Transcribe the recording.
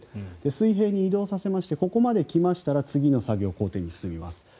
水平に移動させましてここまで来ましたら次の作業工程に進みます。